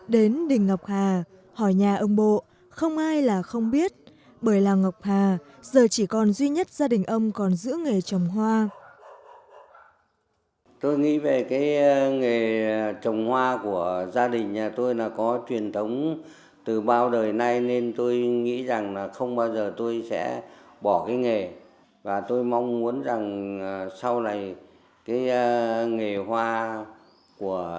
đến đình ngọc hà hỏi nhà ông bộ không ai là không biết bởi làng ngọc hà giờ chỉ còn duy nhất gia đình ông còn giữ nghề trồng hoa